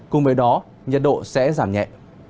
cùng với đó nhiệt độ sẽ giảm nhẹ